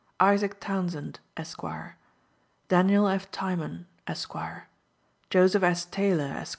Isaac Townsend, Esq. Daniel F. Tiemann, Esq. Joseph S. Taylor, Esq.